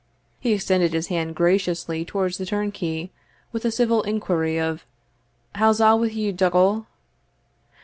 He extended his hand graciously towards the turnkey, with a civil inquiry of "How's a' wi' you, Dougal?"